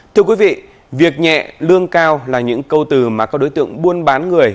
thưa quý vị việc nhẹ lương cao là những câu từ mà các đối tượng buôn bán người